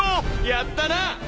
やったな！